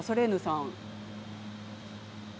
ソレーヌさん。